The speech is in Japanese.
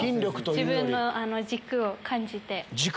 自分の軸を感じて。